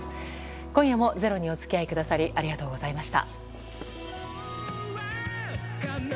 今夜も「ｚｅｒｏ」にお付き合いくださりありがとうございました。